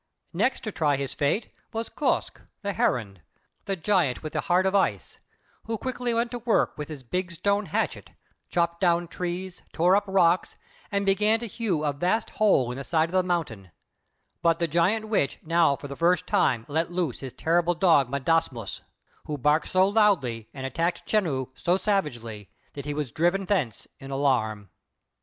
Next to try his fate was Kosq, the Heron, whose guardian spirit was "Chenoo," the giant with the heart of ice, who quickly went to work with his big stone hatchet, chopped down trees, tore up rocks, and began to hew a vast hole in the side of the mountain; but the Giant Witch now for the first time let loose his terrible dog "M'dāssmūss," who barked so loudly and attacked Chenoo so savagely that he was driven thence in alarm.